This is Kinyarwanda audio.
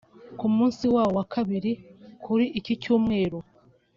Ku munsi wawo wa kabiri kuri iki Cyumweru